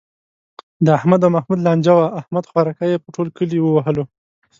د احمد او محمود لانجه وه، احمد خوارکی یې په ټول کلي و وهلو.